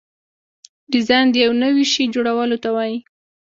ډیزاین د یو نوي شي جوړولو ته وایي.